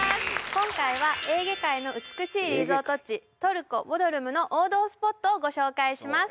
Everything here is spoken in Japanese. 今回はエーゲ海の美しいリゾート地トルコボドルムの王道スポットをご紹介します